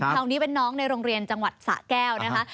คราวนี้เป็นน้องในโรงเรียนจังหวัดสะแก้วนะคะ